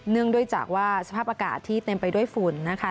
เนื่องจากว่าสภาพอากาศที่เต็มไปด้วยฝุ่นนะคะ